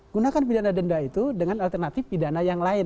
gunakan pidana denda itu dengan alternatif pidana yang lain